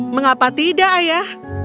mengapa tidak ayah